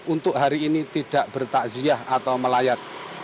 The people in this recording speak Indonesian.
untuk hari ini tidak bertakziah atau melayat